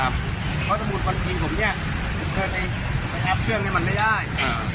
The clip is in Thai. เพราะสมมุติวันที่ผมเนี่ยเคยไปทำเครื่องให้มันไม่ได้